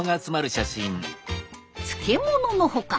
漬物の他